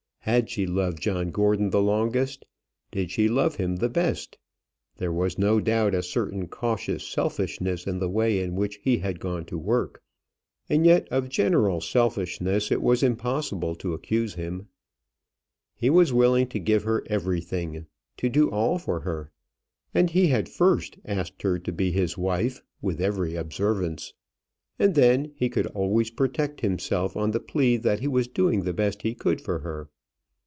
Had she loved John Gordon the longest? Did she love him the best? There was no doubt a certain cautious selfishness in the way in which he had gone to work. And yet of general selfishness it was impossible to accuse him. He was willing to give her everything, to do all for her. And he had first asked her to be his wife, with every observance. And then he could always protect himself on the plea that he was doing the best he could for her.